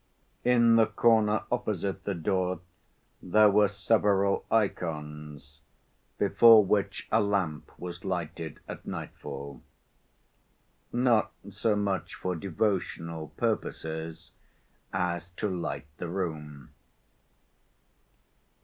In the corner opposite the door there were several ikons, before which a lamp was lighted at nightfall ... not so much for devotional purposes as to light the room.